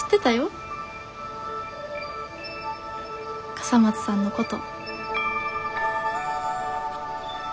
笠松さんのこと。